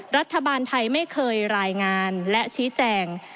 รัฐบาลไทยไม่เคยรายงานและชี้แจง